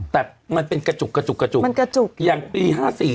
แต่มันเป็นกระจุกอย่างปี๕๔